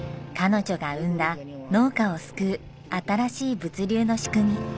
彼女が生んだ農家を救う新しい物流の仕組み。